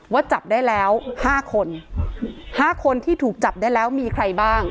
จับได้แล้วห้าคนห้าคนที่ถูกจับได้แล้วมีใครบ้าง